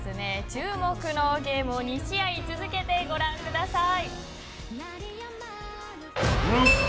注目のゲームを２試合続けてご覧ください。